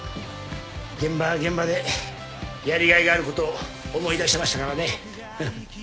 現場は現場でやりがいがあることを思い出しましたからね。